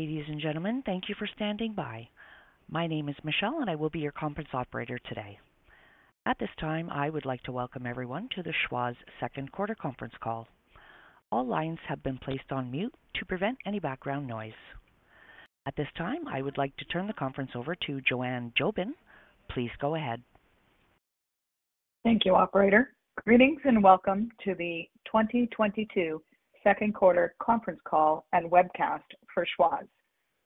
Ladies and gentlemen, thank you for standing by. My name is Michelle, and I will be your conference operator today. At this time, I would like to welcome everyone to the Schwazze second quarter conference call. All lines have been placed on mute to prevent any background noise. At this time, I would like to turn the conference over to Joanne Jobin. Please go ahead. Thank you, operator. Greetings, and welcome to the 2022 second quarter conference call and webcast for Schwazze.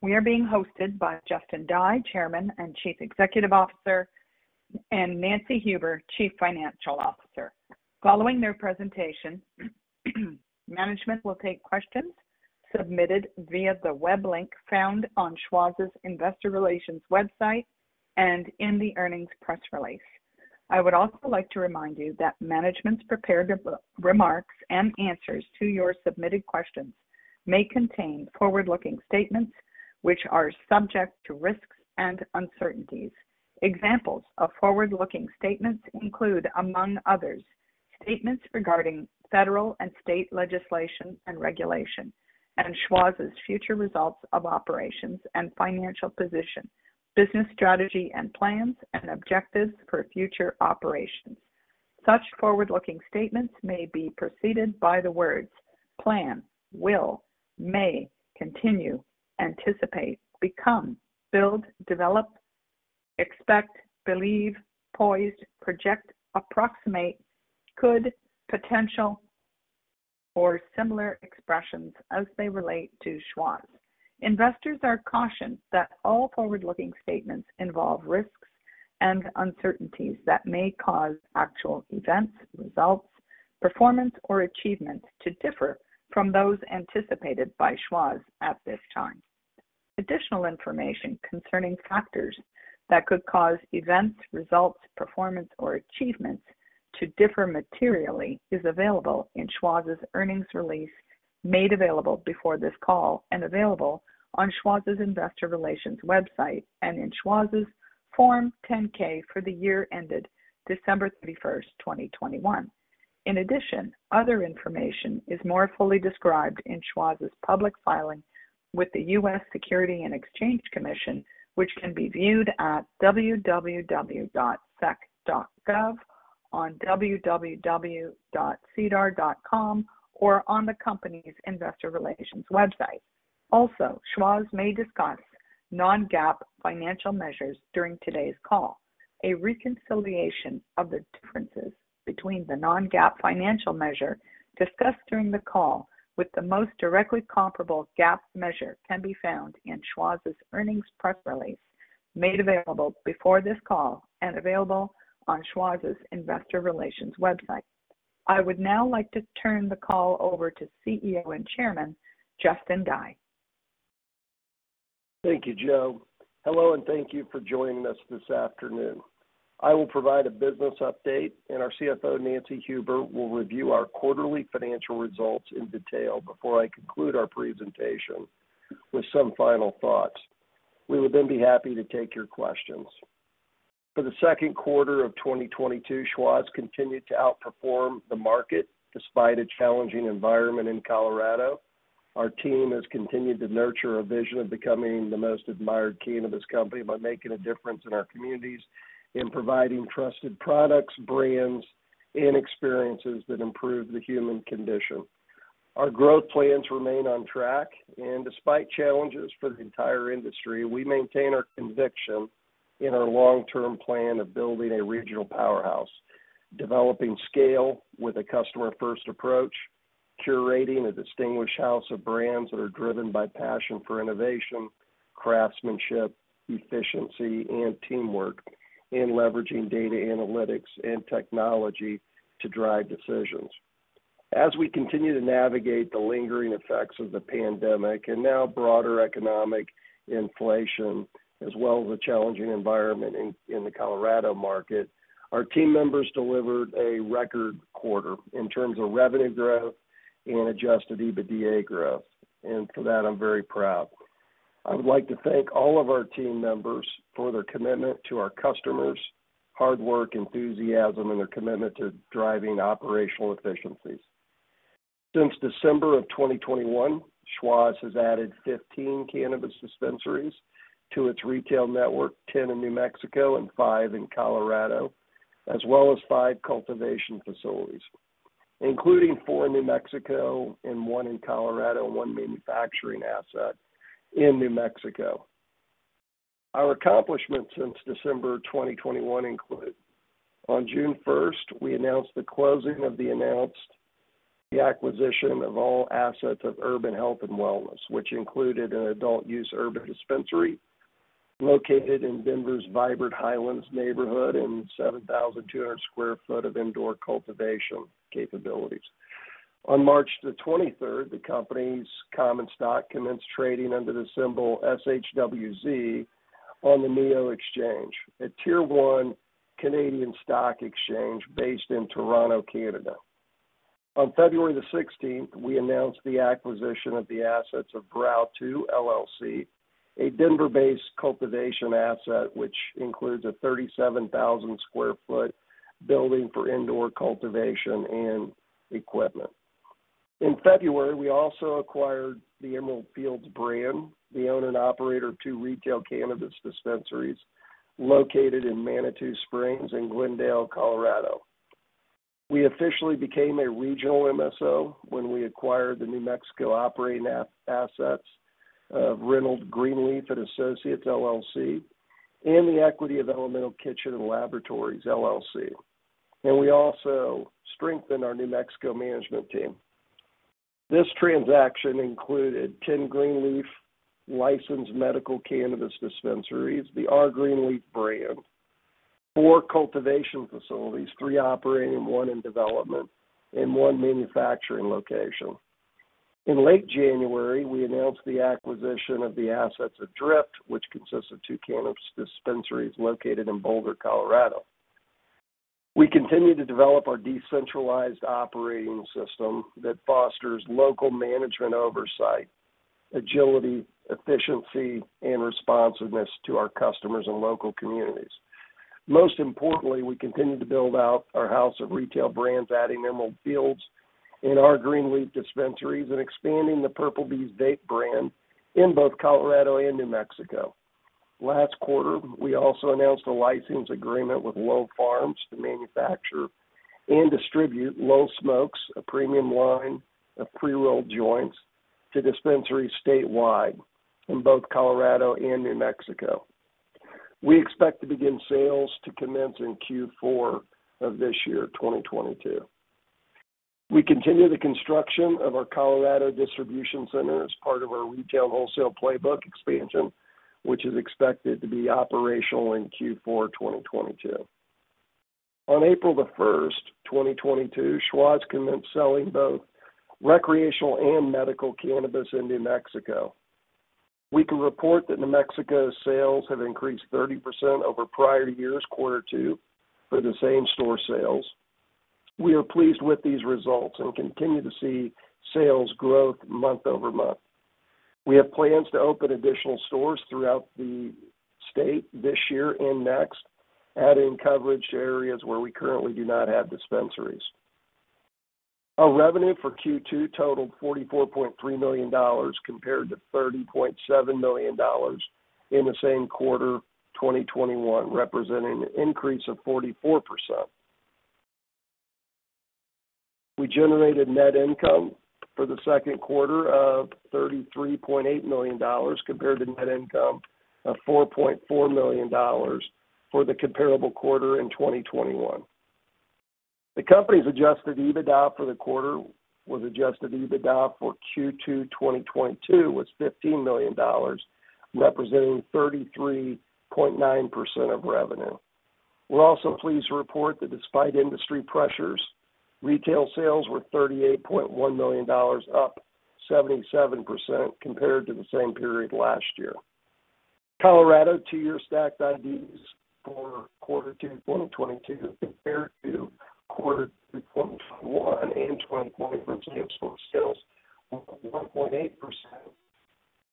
We are being hosted by Justin Dye, Chairman and Chief Executive Officer, and Nancy Huber, Chief Financial Officer. Following their presentation, management will take questions submitted via the web link found on Schwazze's investor relations website and in the earnings press release. I would also like to remind you that management's prepared remarks and answers to your submitted questions may contain forward-looking statements which are subject to risks and uncertainties. Examples of forward-looking statements include, among others, statements regarding federal and state legislation and regulation and Schwazze's future results of operations and financial position, business strategy and plans and objectives for future operations. Such forward-looking statements may be preceded by the words plan, will, may, continue, anticipate, become, build, develop, expect, believe, poised, project, approximate, could, potential or similar expressions as they relate to Schwazze. Investors are cautioned that all forward-looking statements involve risks and uncertainties that may cause actual events, results, performance or achievements to differ from those anticipated by Schwazze at this time. Additional information concerning factors that could cause events, results, performance or achievements to differ materially is available in Schwazze's earnings release made available before this call and available on Schwazze's investor relations website and in Schwazze's Form 10-K for the year ended December 31st, 2021. In addition, other information is more fully described in Schwazze's public filing with the U.S. Securities and Exchange Commission, which can be viewed at www.sec.gov, on www.sedar.com, or on the company's investor relations website. Also, Schwazze may discuss non-GAAP financial measures during today's call. A reconciliation of the differences between the non-GAAP financial measure discussed during the call with the most directly comparable GAAP measure can be found in Schwazze's earnings press release made available before this call and available on Schwazze's investor relations website. I would now like to turn the call over to CEO and Chairman, Justin Dye. Thank you, Jo. Hello, and thank you for joining us this afternoon. I will provide a business update, and our CFO, Nancy Huber, will review our quarterly financial results in detail before I conclude our presentation with some final thoughts. We will then be happy to take your questions. For the second quarter of 2022, Schwazze continued to outperform the market despite a challenging environment in Colorado. Our team has continued to nurture a vision of becoming the most admired cannabis company by making a difference in our communities and in providing trusted products, brands, and experiences that improve the human condition. Our growth plans remain on track, and despite challenges for the entire industry, we maintain our conviction in our long-term plan of building a regional powerhouse, developing scale with a customer-first approach, curating a distinguished house of brands that are driven by passion for innovation, craftsmanship, efficiency, and teamwork, and leveraging data analytics and technology to drive decisions. As we continue to navigate the lingering effects of the pandemic and now broader economic inflation as well as a challenging environment in the Colorado market, our team members delivered a record quarter in terms of revenue growth and adjusted EBITDA growth. For that, I'm very proud. I would like to thank all of our team members for their commitment to our customers, hard work, enthusiasm, and their commitment to driving operational efficiencies. Since December 2021, Schwazze has added 15 cannabis dispensaries to its retail network, 10 in New Mexico and five in Colorado, as well as five cultivation facilities, including four in New Mexico and one in Colorado, and one manufacturing asset in New Mexico. Our accomplishments since December 2021 include. On June 1st, we announced the closing of the acquisition of all assets of Urban Health & Wellness, which included an adult use urban dispensary located in Denver's vibrant Highlands neighborhood and 7,200 sq ft of indoor cultivation capabilities. On March 23rd, the company's common stock commenced trading under the symbol SHWZ on the NEO Exchange, a tier one Canadian stock exchange based in Toronto, Canada. On February the 16th, we announced the acquisition of the assets of Grow2, LLC. A Denver-based cultivation asset, which includes a 37,000 sq ft building for indoor cultivation and equipment. In February, we also acquired the Emerald Fields brand, the owner and operator of two retail cannabis dispensaries located in Manitou Springs and Glendale, Colorado. We officially became a regional MSO when we acquired the New Mexico operating assets of Reynold Greenleaf & Associates, LLC, and the equity of Elemental Kitchen & Laboratories, LLC. We also strengthened our New Mexico management team. This transaction included 10 Greenleaf licensed medical cannabis dispensaries, the R.Greenleaf brand, four cultivation facilities, three operating, one in development, and one manufacturing location. In late January, we announced the acquisition of the assets of Drift, which consists of two cannabis dispensaries located in Boulder, Colorado. We continue to develop our decentralized operating system that fosters local management oversight, agility, efficiency, and responsiveness to our customers and local communities. Most importantly, we continue to build out our house of retail brands, adding Emerald Fields and R.Greenleaf dispensaries, and expanding the Purplebee's vape brand in both Colorado and New Mexico. Last quarter, we also announced a license agreement with Lowell Farms to manufacture and distribute Lowell Smokes, a premium line of pre-rolled joints, to dispensaries statewide in both Colorado and New Mexico. We expect to begin sales to commence in Q4 of this year, 2022. We continue the construction of our Colorado distribution center as part of our retail wholesale playbook expansion, which is expected to be operational in Q4 2022. On April 1st, 2022, Schwazze commenced selling both recreational and medical cannabis in New Mexico. We can report that New Mexico sales have increased 30% over prior year's Q2 for the same store sales. We are pleased with these results and continue to see sales growth month-over-month. We have plans to open additional stores throughout the state this year and next, adding coverage to areas where we currently do not have dispensaries. Our revenue for Q2 totaled $44.3 million compared to $30.7 million in the same quarter 2021, representing an increase of 44%. We generated net income for the second quarter of $33.8 million compared to net income of $4.4 million for the comparable quarter in 2021. The company's adjusted EBITDA for Q2 2022 was $15 million, representing 33.9% of revenue. We're also pleased to report that despite industry pressures, retail sales were $38.1 million, up 77% compared to the same period last year. Colorado two-year stacked IDs for Q2 2022 compared to Q2 2021 and 2020 for same-store sales were up 1.8%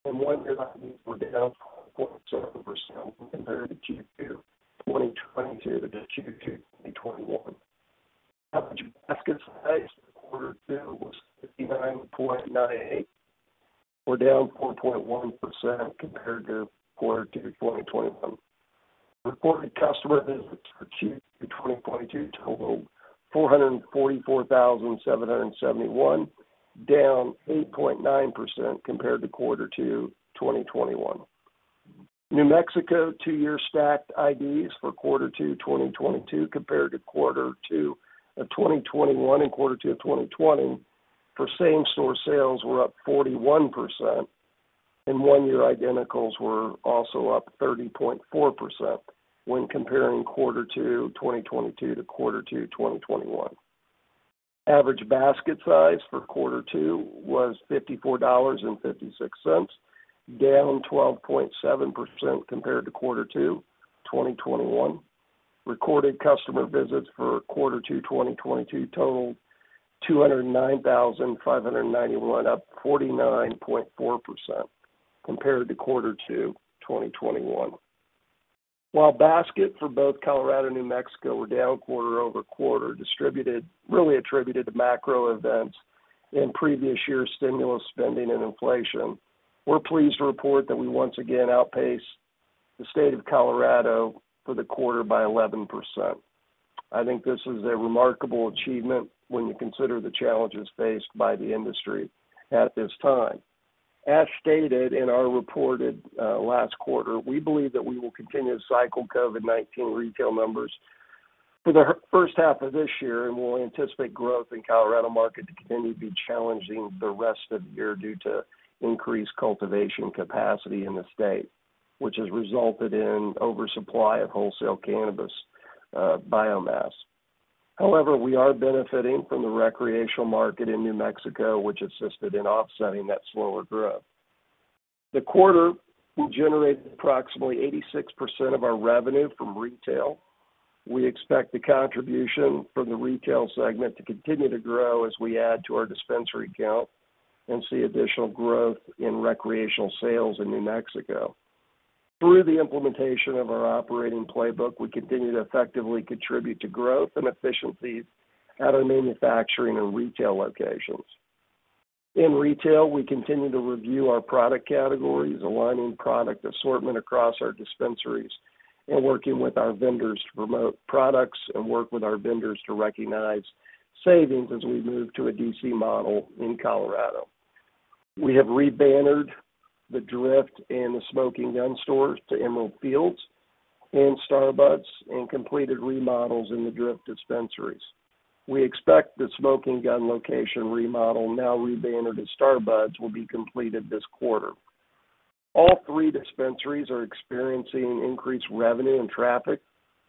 and one-year IDs were down 5.7% compared to Q2 2022 to Q2 2021. Average basket size for Q2 was $59.98. We're down 4.1% compared to Q2 2021. Recorded customer visits for Q2 2022 totaled 444,771, down 8.9% compared to Q2 2021. New Mexico two-year stacked IDs for quarter two 2022 compared to quarter two of 2021 and quarter two of 2020 for same-store sales were up 41% and one-year identicals were also up 30.4% when comparing quarter two 2022 to quarter two 2021. Average basket size for quarter two was $54.56, down 12.7% compared to quarter two 2021. Recorded customer visits for quarter two 2022 totaled 209,591, up 49.4% compared to quarter two 2021. While basket for both Colorado and New Mexico were down quarter-over-quarter, really attributed to macro events in previous years' stimulus spending and inflation, we're pleased to report that we once again outpaced the state of Colorado for the quarter by 11%. I think this is a remarkable achievement when you consider the challenges faced by the industry at this time. As stated in our report for last quarter, we believe that we will continue to cycle COVID-19 retail numbers for the first half of this year, and we'll anticipate growth in Colorado market to continue to be challenging the rest of the year due to increased cultivation capacity in the state, which has resulted in oversupply of wholesale cannabis biomass. However, we are benefiting from the recreational market in New Mexico, which assisted in offsetting that slower growth. In the quarter, we generated approximately 86% of our revenue from retail. We expect the contribution from the retail segment to continue to grow as we add to our dispensary count and see additional growth in recreational sales in New Mexico. Through the implementation of our operating playbook, we continue to effectively contribute to growth and efficiencies at our manufacturing and retail locations. In retail, we continue to review our product categories, aligning product assortment across our dispensaries, and working with our vendors to promote products and recognize savings as we move to a DC model in Colorado. We have rebannered the Drift and the Smoking Gun stores to Emerald Fields and Star Buds and completed remodels in the Drift dispensaries. We expect the Smoking Gun location remodel, now rebannered as Star Buds, will be completed this quarter. All three dispensaries are experiencing increased revenue and traffic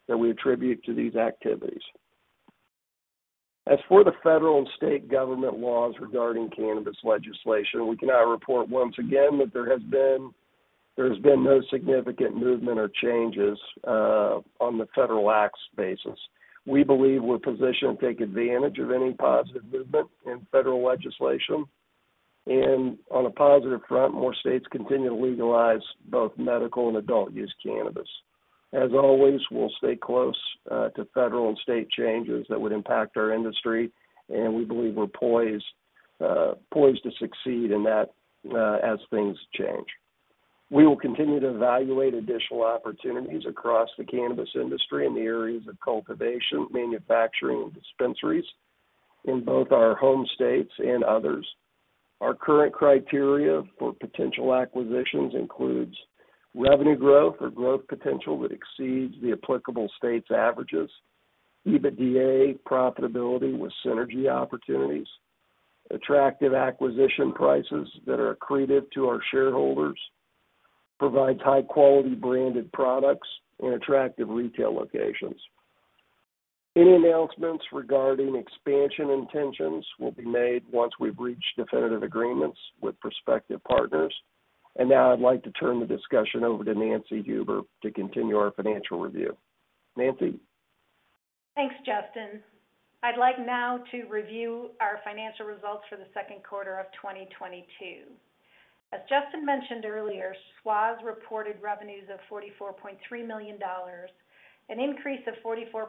that we attribute to these activities. As for the federal and state government laws regarding cannabis legislation, we can now report once again that there has been no significant movement or changes on the federal acts basis. We believe we're positioned to take advantage of any positive movement in federal legislation. On a positive front, more states continue to legalize both medical and adult use cannabis. As always, we'll stay close to federal and state changes that would impact our industry, and we believe we're poised to succeed in that as things change. We will continue to evaluate additional opportunities across the cannabis industry in the areas of cultivation, manufacturing, and dispensaries in both our home states and others. Our current criteria for potential acquisitions includes revenue growth or growth potential that exceeds the applicable state's averages, EBITDA profitability with synergy opportunities, attractive acquisition prices that are accretive to our shareholders, provides high-quality branded products and attractive retail locations. Any announcements regarding expansion intentions will be made once we've reached definitive agreements with prospective partners. Now I'd like to turn the discussion over to Nancy Huber to continue our financial review. Nancy? Thanks, Justin. I'd like now to review our financial results for the second quarter of 2022. As Justin mentioned earlier, Schwazze reported revenues of $44.3 million, an increase of 44%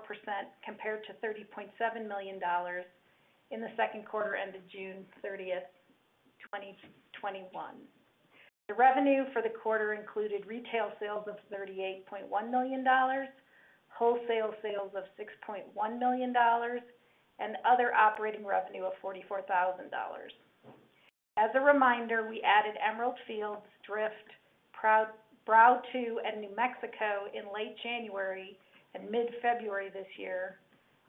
compared to $30.7 million in the second quarter ended June 30th, 2021. The revenue for the quarter included retail sales of $38.1 million, wholesale sales of $6.1 million, and other operating revenue of $44,000. As a reminder, we added Emerald Fields, Drift, Brow 2 in New Mexico in late January and mid-February this year,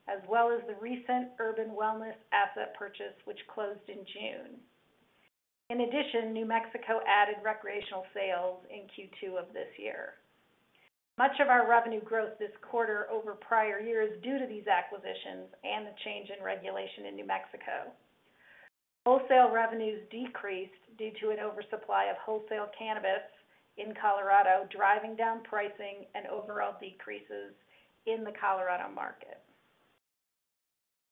as well as the recent Urban Health & Wellness asset purchase, which closed in June. In addition, New Mexico added recreational sales in Q2 of this year. Much of our revenue growth this quarter over prior years due to these acquisitions and the change in regulation in New Mexico. Wholesale revenues decreased due to an oversupply of wholesale cannabis in Colorado, driving down pricing and overall decreases in the Colorado market.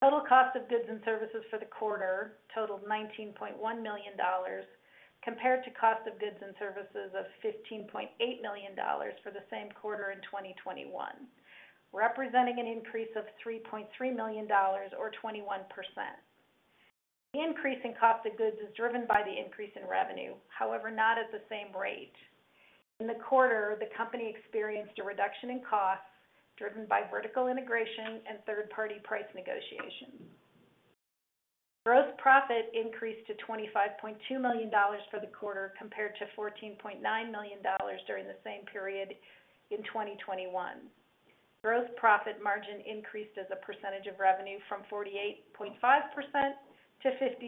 Total cost of goods and services for the quarter totaled $19.1 million, compared to cost of goods and services of $15.8 million for the same quarter in 2021, representing an increase of $3.3 million or 21%. The increase in cost of goods is driven by the increase in revenue, however, not at the same rate. In the quarter, the company experienced a reduction in costs driven by vertical integration and third-party price negotiations. Gross profit increased to $25.2 million for the quarter, compared to $14.9 million during the same period in 2021. Gross profit margin increased as a percentage of revenue from 48.5% to 56.8%.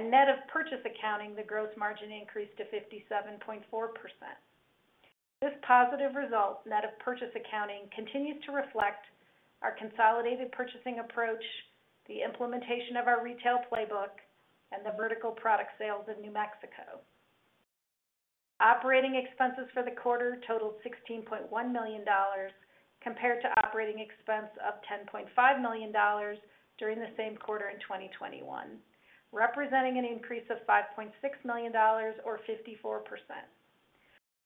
Net of purchase accounting, the gross margin increased to 57.4%. This positive result, net of purchase accounting, continues to reflect our consolidated purchasing approach, the implementation of our retail playbook, and the vertical product sales in New Mexico. Operating expenses for the quarter totaled $16.1 million, compared to operating expense of $10.5 million during the same quarter in 2021, representing an increase of $5.6 million or 54%.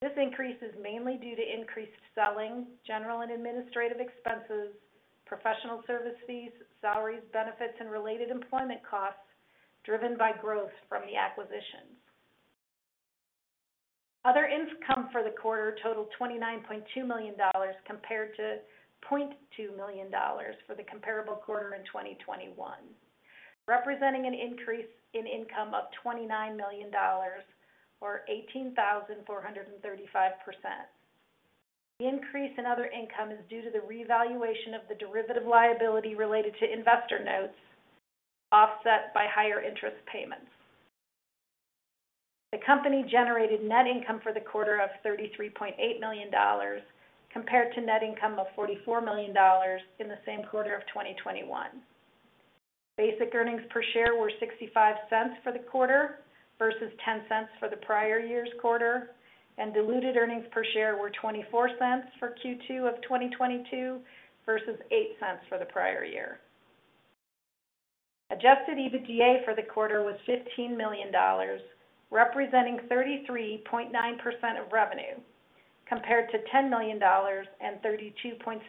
This increase is mainly due to increased selling, general and administrative expenses, professional service fees, salaries, benefits, and related employment costs driven by growth from the acquisitions. Other income for the quarter totaled $29.2 million compared to $0.2 million for the comparable quarter in 2021, representing an increase in income of $29 million or 18,435%. The increase in other income is due to the revaluation of the derivative liability related to investor notes offset by higher interest payments. The company generated net income for the quarter of $33.8 million compared to net income of $44 million in the same quarter of 2021. Basic earnings per share were $0.65 for the quarter versus $0.10 for the prior year's quarter, and diluted earnings per share were $0.24 for Q2 of 2022 versus $0.08 for the prior year. Adjusted EBITDA for the quarter was $15 million, representing 33.9% of revenue, compared to $10 million and 32.6%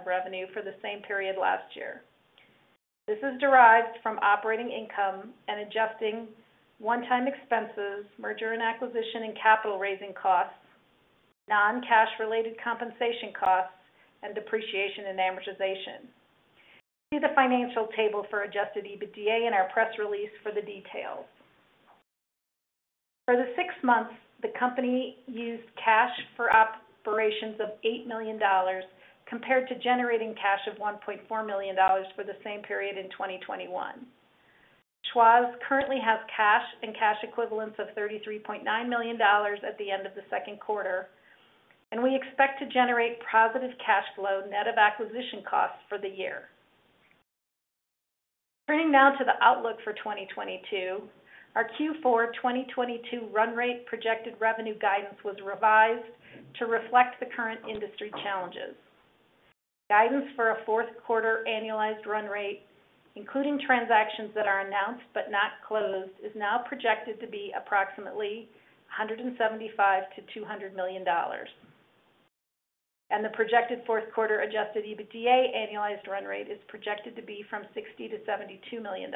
of revenue for the same period last year. This is derived from operating income and adjusting one-time expenses, merger and acquisition, and capital raising costs, non-cash related compensation costs, and depreciation and amortization. See the financial table for adjusted EBITDA in our press release for the details. For the six months, the company used cash for operations of $8 million compared to generating cash of $1.4 million for the same period in 2021. Schwazze currently has cash and cash equivalents of $33.9 million at the end of the second quarter, and we expect to generate positive cash flow net of acquisition costs for the year. Turning now to the outlook for 2022. Our Q4 2022 run rate projected revenue guidance was revised to reflect the current industry challenges. Guidance for a fourth quarter annualized run rate, including transactions that are announced but not closed, is now projected to be approximately $175 million-$200 million. The projected fourth quarter adjusted EBITDA annualized run rate is projected to be from $60 million-$72 million.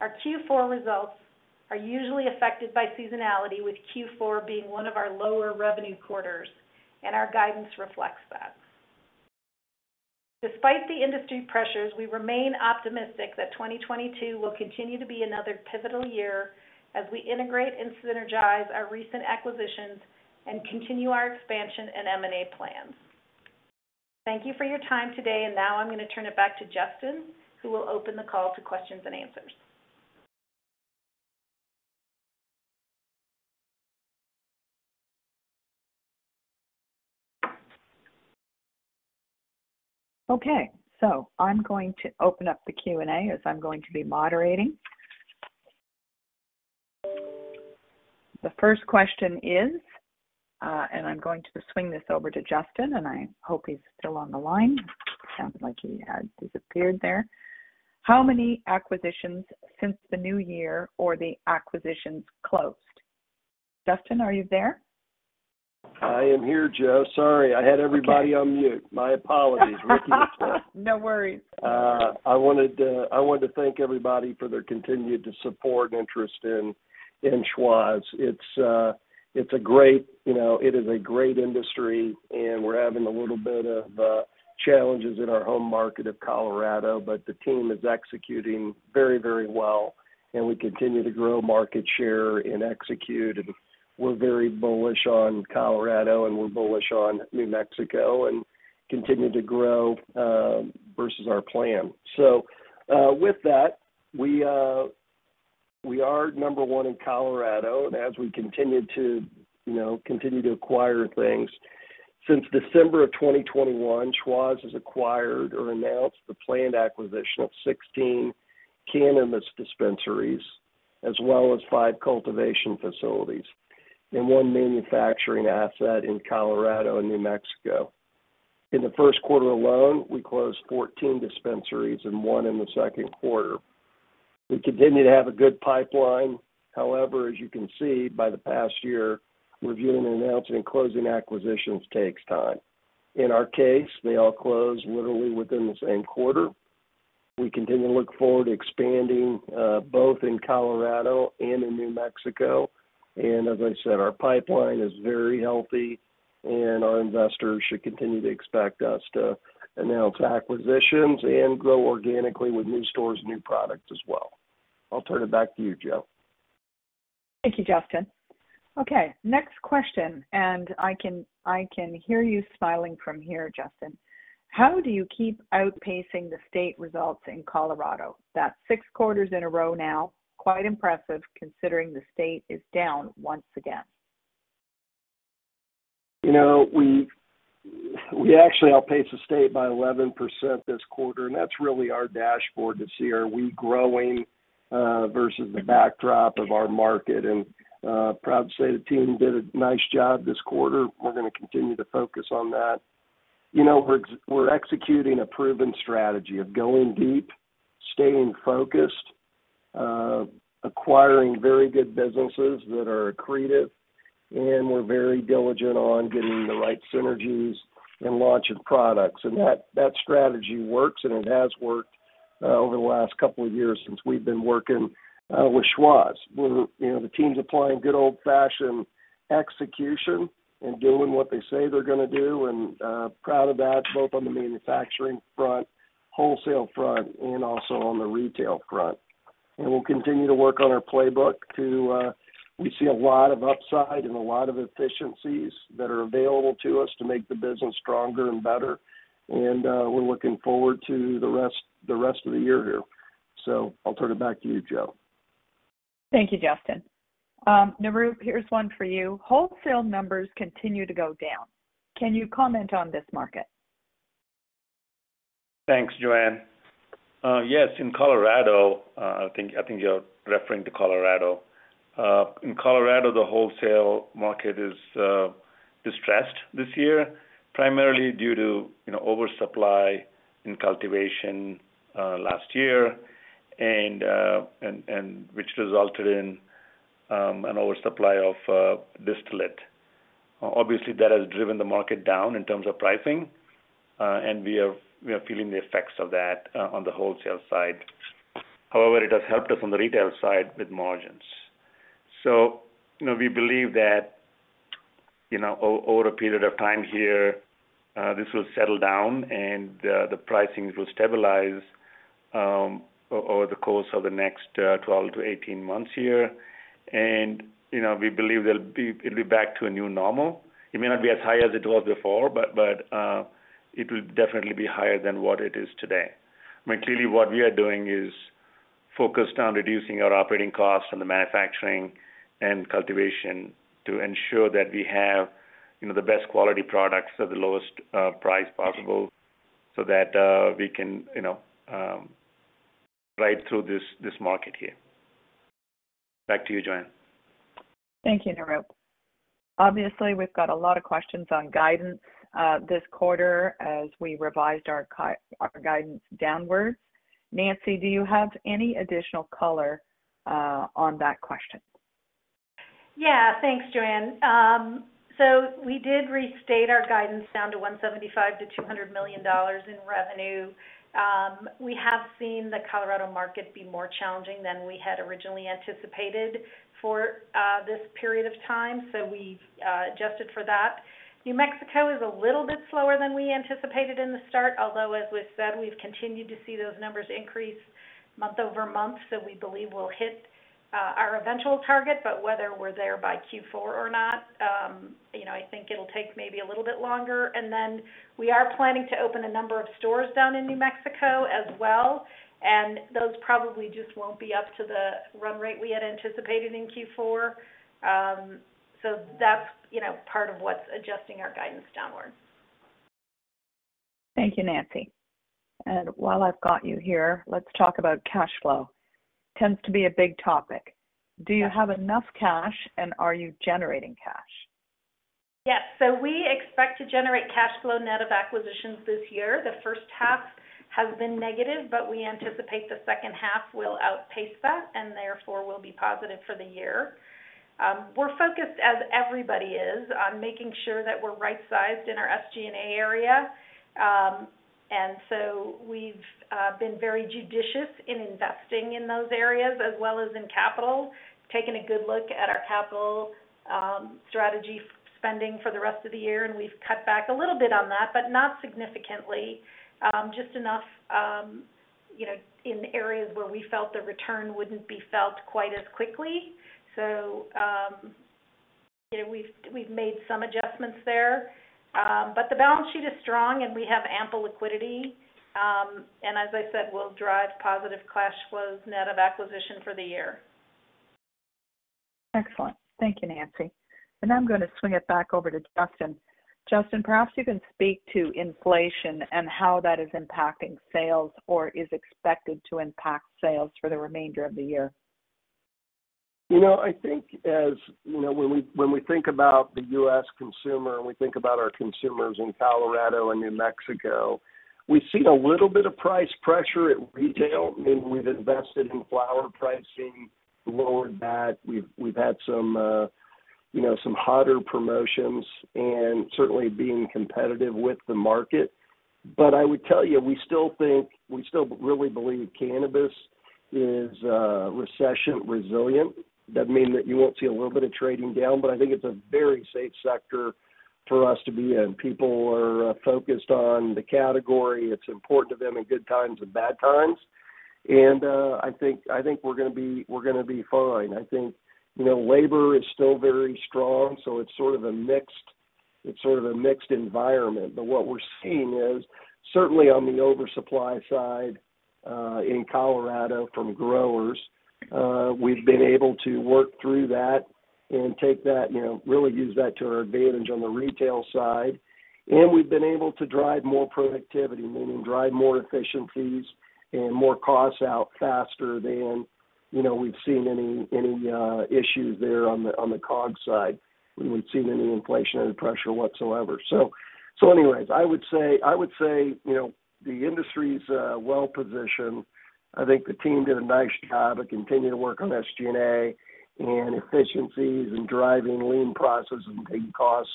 Our Q4 results are usually affected by seasonality, with Q4 being one of our lower revenue quarters, and our guidance reflects that. Despite the industry pressures, we remain optimistic that 2022 will continue to be another pivotal year as we integrate and synergize our recent acquisitions and continue our expansion and M&A plans. Thank you for your time today. Now I'm going to turn it back to Justin, who will open the call to questions and answers. Okay, I'm going to open up the Q&A as I'm going to be moderating. The first question is, and I'm going to swing this over to Justin, and I hope he's still on the line. Sounds like he had disappeared there. How many acquisitions since the new year or the acquisitions closed? Justin, are you there? I am here, Jo. Sorry, I had everybody on mute. My apologies. Ricky as well. No worries. I wanted to thank everybody for their continued support and interest in Schwazze. It's a great, you know, it is a great industry, and we're having a little bit of challenges in our home market of Colorado, but the team is executing very, very well, and we continue to grow market share and execute. We're very bullish on Colorado, and we're bullish on New Mexico and continue to grow versus our plan. With that, we are number one in Colorado. As we continue to, you know, acquire things. Since December of 2021, Schwazze has acquired or announced the planned acquisition of 16 cannabis dispensaries, as well as five cultivation facilities and one manufacturing asset in Colorado and New Mexico. In the first quarter alone, we closed 14 dispensaries and one in the second quarter. We continue to have a good pipeline. However, as you can see, over the past year, reviewing, announcing and closing acquisitions takes time. In our case, they all close literally within the same quarter. We continue to look forward to expanding both in Colorado and in New Mexico. As I said, our pipeline is very healthy, and our investors should continue to expect us to announce acquisitions and grow organically with new stores and new products as well. I'll turn it back to you, Jo. Thank you, Justin. Okay, next question, and I can hear you smiling from here, Justin. How do you keep outpacing the state results in Colorado? That's six quarters in a row now. Quite impressive considering the state is down once again. You know, we actually outpaced the state by 11% this quarter, and that's really our dashboard to see are we growing versus the backdrop of our market. Proud to say the team did a nice job this quarter. We're gonna continue to focus on that. You know, we're executing a proven strategy of going deep, staying focused, acquiring very good businesses that are accretive, and we're very diligent on getting the right synergies and launching products. That strategy works, and it has worked over the last couple of years since we've been working with Schwazze. You know, the team's applying good old-fashioned execution and doing what they say they're gonna do and proud of that, both on the manufacturing front, wholesale front, and also on the retail front. We'll continue to work on our playbook to we see a lot of upside and a lot of efficiencies that are available to us to make the business stronger and better. We're looking forward to the rest of the year here. I'll turn it back to you, Jo. Thank you, Justin. Nirup, here's one for you. Wholesale numbers continue to go down. Can you comment on this market? Thanks, Joanne. Yes, in Colorado, I think you're referring to Colorado. In Colorado, the wholesale market is distressed this year, primarily due to, you know, oversupply in cultivation last year and which resulted in an oversupply of distillate. Obviously, that has driven the market down in terms of pricing, and we are feeling the effects of that on the wholesale side. However, it has helped us on the retail side with margins. You know, we believe that, you know, over a period of time here, this will settle down and the pricing will stabilize over the course of the next 12 to 18 months here. You know, we believe it'll be back to a new normal. It may not be as high as it was before, but it will definitely be higher than what it is today. I mean, clearly what we are doing is focused on reducing our operating costs and the manufacturing and cultivation to ensure that we have, you know, the best quality products at the lowest price possible so that we can, you know, ride through this market here. Back to you, Joanne. Thank you, Nirup. Obviously, we've got a lot of questions on guidance this quarter as we revised our guidance downwards. Nancy, do you have any additional color on that question? Yeah. Thanks, Joanne. We did restate our guidance down to $175 million-$200 million in revenue. We have seen the Colorado market be more challenging than we had originally anticipated for this period of time, so we've adjusted for that. New Mexico is a little bit slower than we anticipated in the start, although, as we've said, we've continued to see those numbers increase month-over-month, so we believe we'll hit our eventual target. Whether we're there by Q4 or not, you know, I think it'll take maybe a little bit longer. We are planning to open a number of stores down in New Mexico as well, and those probably just won't be up to the run rate we had anticipated in Q4. That's, you know, part of what's adjusting our guidance downwards. Thank you, Nancy. While I've got you here, let's talk about cash flow. Tends to be a big topic. Do you have enough cash, and are you generating cash? Yes. We expect to generate cash flow net of acquisitions this year. The first half has been negative, but we anticipate the second half will outpace that and therefore will be positive for the year. We're focused, as everybody is, on making sure that we're right-sized in our SG&A area. We've been very judicious in investing in those areas as well as in capital. Taking a good look at our capital strategy spending for the rest of the year, and we've cut back a little bit on that, but not significantly, just enough, you know, in areas where we felt the return wouldn't be felt quite as quickly. You know, we've made some adjustments there. The balance sheet is strong, and we have ample liquidity. As I said, we'll drive positive cash flows net of acquisition for the year. Excellent. Thank you, Nancy. I'm gonna swing it back over to Justin. Justin, perhaps you can speak to inflation and how that is impacting sales or is expected to impact sales for the remainder of the year. You know, I think as, you know, when we think about the U.S. consumer and we think about our consumers in Colorado and New Mexico, we've seen a little bit of price pressure at retail, meaning we've invested in flower pricing, lowered that. We've had some, you know, some hotter promotions and certainly being competitive with the market. But I would tell you, we still think, we still really believe cannabis is recession resilient. Doesn't mean that you won't see a little bit of trading down, but I think it's a very safe sector for us to be in. People are focused on the category. It's important to them in good times and bad times. I think we're gonna be fine. I think, you know, labor is still very strong, so it's sort of a mixed environment. What we're seeing is certainly on the oversupply side in Colorado from growers. We've been able to work through that and take that, you know, really use that to our advantage on the retail side. We've been able to drive more productivity, meaning drive more efficiencies and more costs out faster than, you know, we've seen any issues there on the COGS side. We haven't seen any inflationary pressure whatsoever. Anyways, I would say, you know, the industry's well-positioned. I think the team did a nice job of continuing to work on SG&A and efficiencies and driving lean processes and taking costs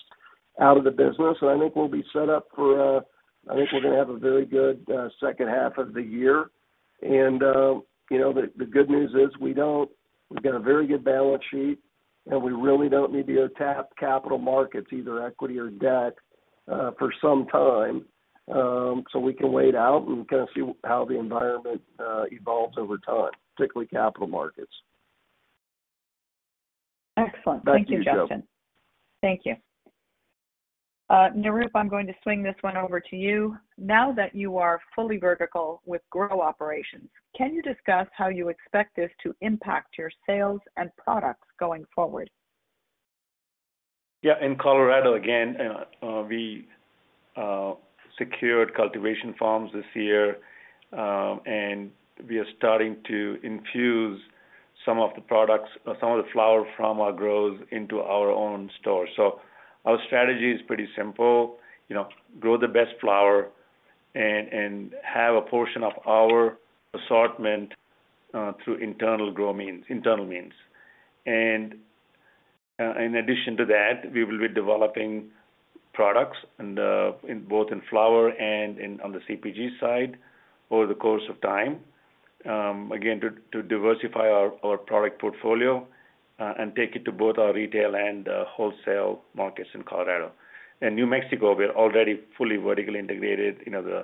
out of the business. I think we'll be set up for, I think we're gonna have a very good second half of the year. You know, the good news is we've got a very good balance sheet, and we really don't need to go tap capital markets, either equity or debt, for some time. We can wait out and kind of see how the environment evolves over time, particularly capital markets. Excellent. Thank you, Justin. Back to you, Joanne. Thank you. Nirup, I'm going to swing this one over to you. Now that you are fully vertical with grow operations, can you discuss how you expect this to impact your sales and products going forward? Yeah. In Colorado, again, we secured cultivation farms this year, and we are starting to infuse some of the products or some of the flower from our grows into our own stores. Our strategy is pretty simple. You know, grow the best flower and have a portion of our assortment through internal means. In addition to that, we will be developing products and in both flower and on the CPG side over the course of time, again, to diversify our product portfolio and take it to both our retail and wholesale markets in Colorado. In New Mexico, we're already fully vertically integrated. You know,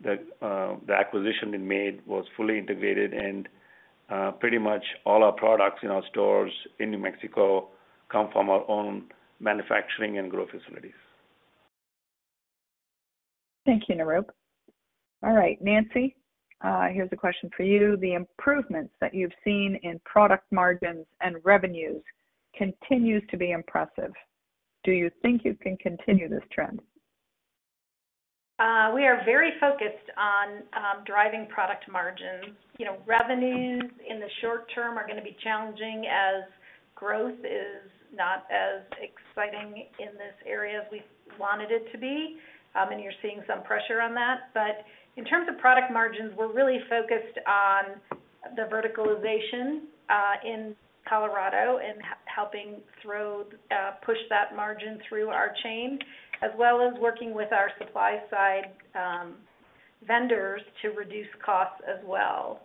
the acquisition we made was fully integrated, and pretty much all our products in our stores in New Mexico come from our own manufacturing and growth facilities. Thank you, Nirup. All right, Nancy, here's a question for you. The improvements that you've seen in product margins and revenues continues to be impressive. Do you think you can continue this trend? We are very focused on driving product margins. You know, revenues in the short term are gonna be challenging as growth is not as exciting in this area as we wanted it to be, and you're seeing some pressure on that. But in terms of product margins, we're really focused on the verticalization in Colorado and helping to push that margin through our chain, as well as working with our supply side vendors to reduce costs as well.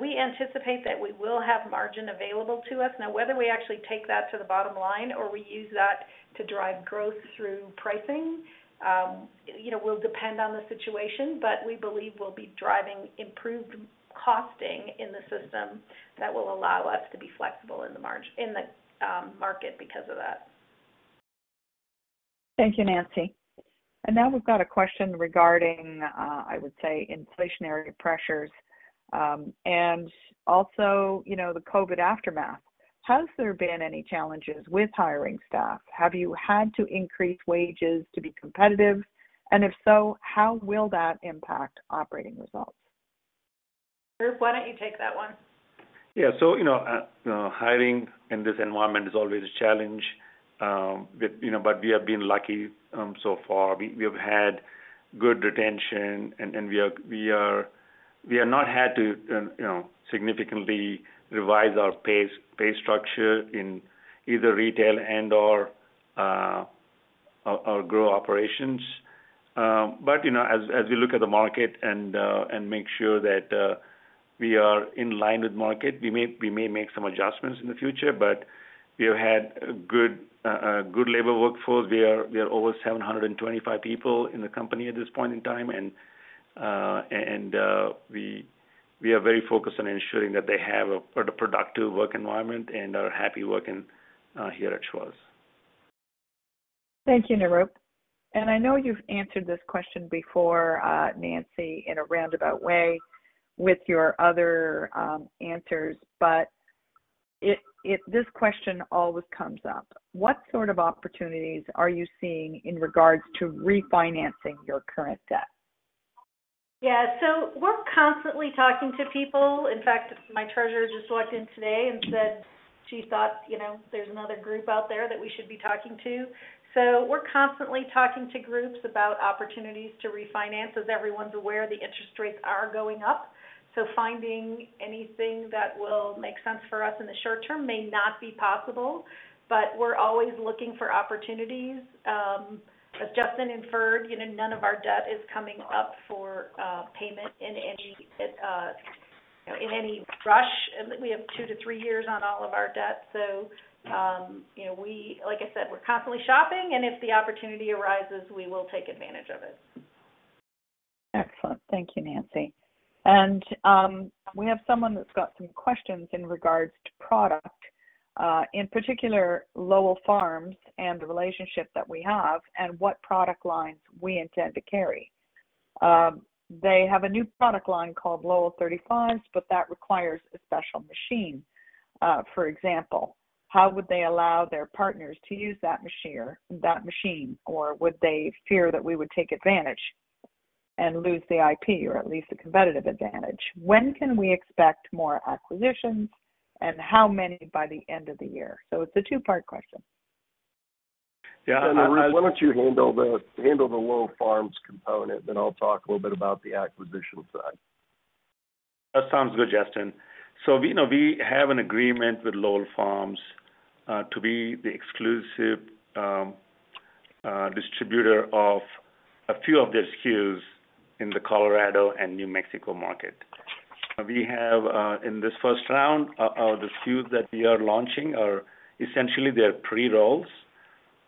We anticipate that we will have margin available to us. Now, whether we actually take that to the bottom line or we use that to drive growth through pricing, you know, will depend on the situation, but we believe we'll be driving improved costing in the system that will allow us to be flexible in the market because of that. Thank you, Nancy. Now we've got a question regarding, I would say inflationary pressures, and also, you know, the COVID aftermath. Has there been any challenges with hiring staff? Have you had to increase wages to be competitive? If so, how will that impact operating results? Nirup, why don't you take that one? Yeah. You know, hiring in this environment is always a challenge, with, you know, but we have been lucky so far. We have had good retention, and we are. We have not had to, you know, significantly revise our pay structure in either retail and/or our grow operations. You know, as we look at the market and make sure that we are in line with market, we may make some adjustments in the future, but we have had a good labor workforce. We are over 725 people in the company at this point in time, and we are very focused on ensuring that they have a productive work environment and are happy working here at Schwazze. Thank you, Nirup. I know you've answered this question before, Nancy, in a roundabout way with your other answers, but this question always comes up. What sort of opportunities are you seeing in regards to refinancing your current debt? Yeah. We're constantly talking to people. In fact, my treasurer just walked in today and said she thought, you know, there's another group out there that we should be talking to. We're constantly talking to groups about opportunities to refinance. As everyone's aware, the interest rates are going up, so finding anything that will make sense for us in the short term may not be possible, but we're always looking for opportunities. As Justin inferred, you know, none of our debt is coming up for payment in any, you know, in any rush. We have two to three years on all of our debt. You know, like I said, we're constantly shopping, and if the opportunity arises, we will take advantage of it. Excellent. Thank you, Nancy. We have someone that's got some questions in regards to product, in particular Lowell Farms and the relationship that we have and what product lines we intend to carry. They have a new product line called Lowell 35's, but that requires a special machine. For example, how would they allow their partners to use that machine, or would they fear that we would take advantage and lose the IP or at least the competitive advantage? When can we expect more acquisitions, and how many by the end of the year? It's a two-part question. Yeah. Nirup, why don't you handle the Lowell Farms component, then I'll talk a little bit about the acquisition side. That sounds good, Justin. You know, we have an agreement with Lowell Farms to be the exclusive distributor of a few of their SKUs in the Colorado and New Mexico market. We have in this first round the SKUs that we are launching are essentially their pre-rolls.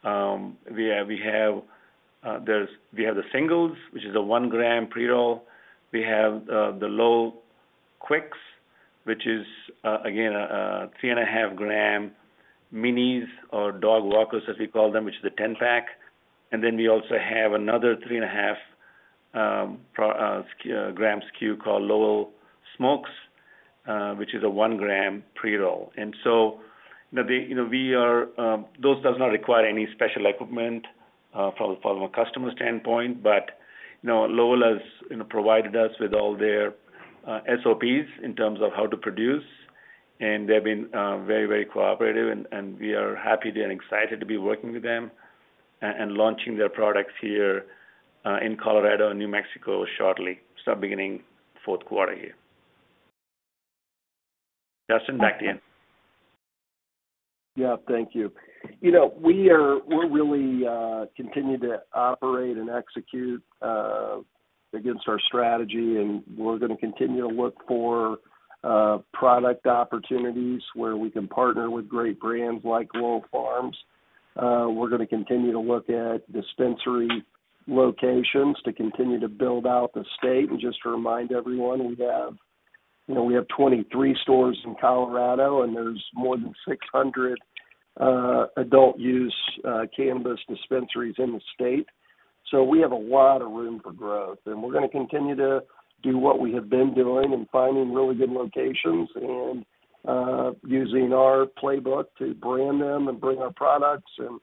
We have the singles, which is a 1 g pre-roll. We have the Lowell Quicks, which is again a 3.5 g minis or dog walkers, as we call them, which is a 10-pack. Then we also have another 3.5 g SKU called Lowell Smokes, which is a 1 g pre-roll. You know, those do not require any special equipment from a customer standpoint. You know, Lowell has, you know, provided us with all their SOPs in terms of how to produce, and they've been very, very cooperative and we are happy and excited to be working with them and launching their products here in Colorado and New Mexico shortly. Beginning fourth quarter here. Justin, back to you. Yeah, thank you. You know, we're really continue to operate and execute against our strategy, and we're gonna continue to look for product opportunities where we can partner with great brands like Lowell Farms. We're gonna continue to look at dispensary locations to continue to build out the state. Just to remind everyone, we have, you know, we have 23 stores in Colorado, and there's more than 600 adult use cannabis dispensaries in the state. So we have a lot of room for growth. We're gonna continue to do what we have been doing and finding really good locations and using our playbook to brand them and bring our products and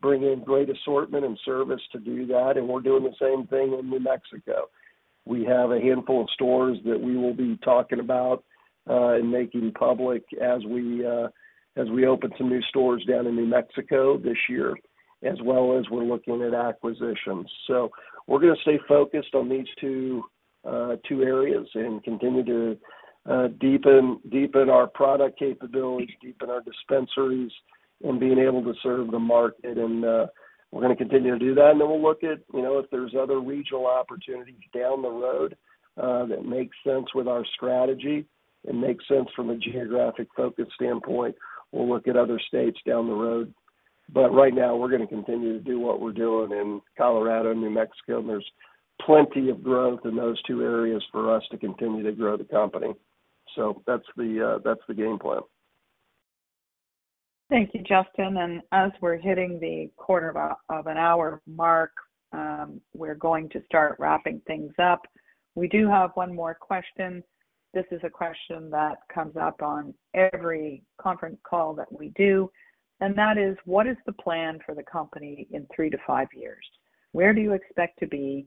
bring in great assortment and service to do that. We're doing the same thing in New Mexico. We have a handful of stores that we will be talking about and making public as we open some new stores down in New Mexico this year, as well as we're looking at acquisitions. We're gonna stay focused on these two areas and continue to deepen our product capabilities, deepen our dispensaries, and being able to serve the market. We're gonna continue to do that. We'll look at, you know, if there's other regional opportunities down the road that make sense with our strategy and make sense from a geographic focus standpoint, we'll look at other states down the road. Right now we're gonna continue to do what we're doing in Colorado and New Mexico, and there's plenty of growth in those two areas for us to continue to grow the company. That's the game plan. Thank you, Justin. As we're hitting the quarter of an hour mark, we're going to start wrapping things up. We do have one more question. This is a question that comes up on every conference call that we do, and that is. What is the plan for the company in three to five years? Where do you expect to be?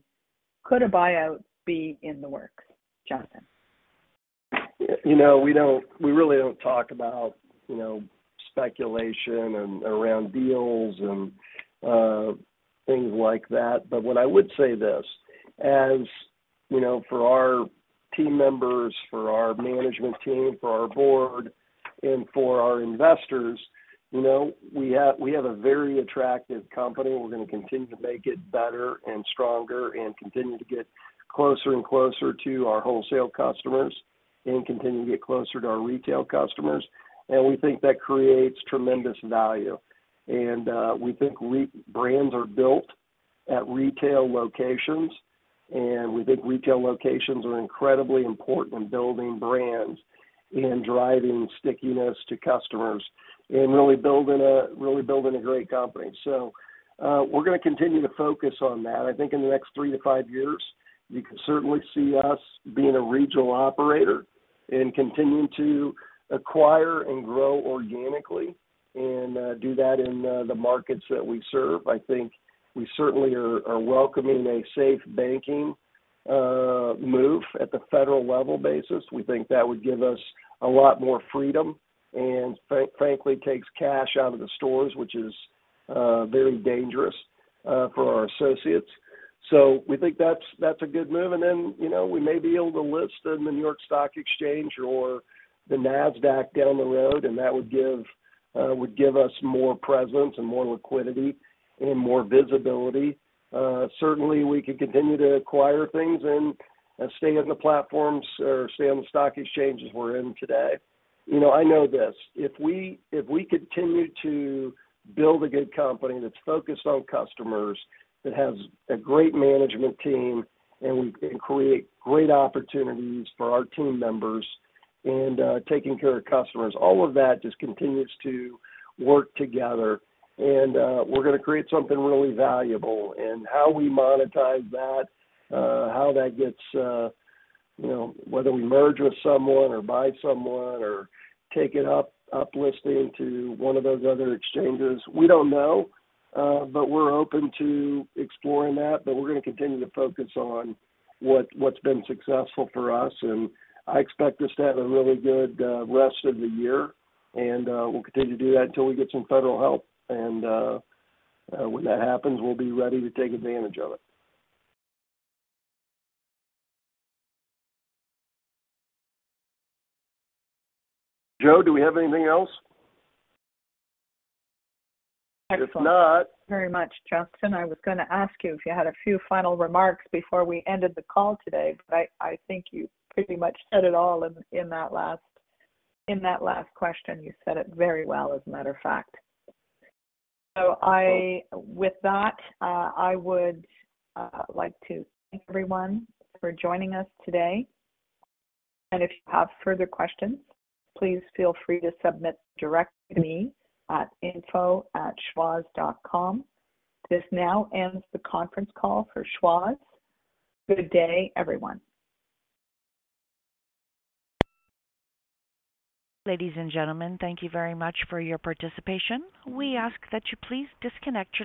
Could a buyout be in the works? Justin. You know, we don't, we really don't talk about, you know, speculation and around deals and, things like that. But what I would say this, as you know, for our team members, for our management team, for our board, and for our investors, you know, we have a very attractive company. We're gonna continue to make it better and stronger and continue to get closer and closer to our wholesale customers and continue to get closer to our retail customers. We think that creates tremendous value. We think re-brands are built at retail locations, and we think retail locations are incredibly important in building brands and driving stickiness to customers and really building a great company. We're gonna continue to focus on that. I think in the next three to five years, you can certainly see us being a regional operator and continuing to acquire and grow organically and do that in the markets that we serve. I think we certainly are welcoming a SAFE Banking move at the federal level basis. We think that would give us a lot more freedom and frankly takes cash out of the stores, which is very dangerous for our associates. We think that's a good move. We may be able to list in the New York Stock Exchange or the Nasdaq down the road, and that would give us more presence and more liquidity and more visibility. Certainly we could continue to acquire things and stay on the platforms or stay on the stock exchanges we're in today. You know, I know this, if we continue to build a good company that's focused on customers, that has a great management team, and we can create great opportunities for our team members and taking care of customers, all of that just continues to work together. We're gonna create something really valuable. How we monetize that, how that gets, you know, whether we merge with someone or buy someone or take it uplisting to one of those other exchanges, we don't know, but we're open to exploring that. We're gonna continue to focus on what's been successful for us. I expect us to have a really good rest of the year, and we'll continue to do that until we get some federal help. when that happens, we'll be ready to take advantage of it. Jo, do we have anything else? If not- Very much, Justin. I was gonna ask you if you had a few final remarks before we ended the call today, but I think you pretty much said it all in that last question. You said it very well as a matter of fact. With that, I would like to thank everyone for joining us today. If you have further questions, please feel free to submit directly to me at info@schwazze.com. This now ends the conference call for Schwazze. Good day, everyone. Ladies and gentlemen, thank you very much for your participation. We ask that you please disconnect your line.